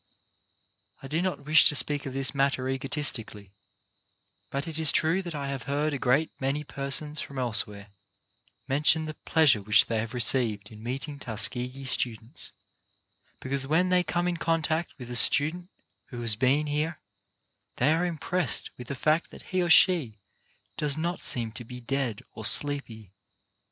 I do not wish to speak of this matter egotistically, but it is true that I have heard a great many per sons from elsewhere mention the pleasure which they have received in meeting Tuskegee students, because when they come in contact with a student who has been here, they are impressed with the fact that he or she does not seem to be dead or sleepy.